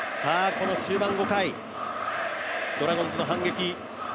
この中盤５回、ドラゴンズの反撃。